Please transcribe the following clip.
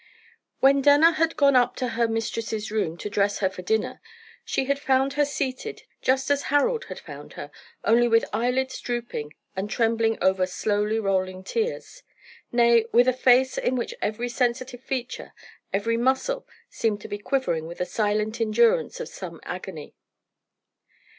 When Denner had gone up to her mistress's room to dress her for dinner, she had found her seated just as Harold had found her, only with eyelids drooping and trembling over slowly rolling tears nay, with a face in which every sensitive feature, every muscle, seemed to be quivering with a silent endurance of some agony.